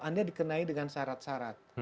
anda dikenai dengan syarat syarat